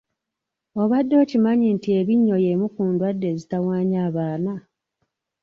Obadde okimanyi nti ebinnyo y’emu ku ndwadde ezitawaanya abaana?